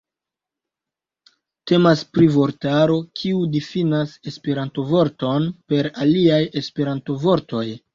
Temas pri vortaro, kiu difinas Esperanto-vorton per aliaj Esperanto-vortoj.